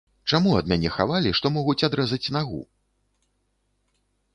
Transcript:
Чаму ад мяне хавалі, што могуць адрэзаць нагу?